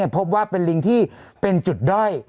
พบว่าเป็นลิงที่เป็นจุดด้อย